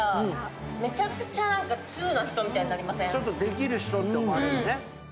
ちょっとできる人って思われるね。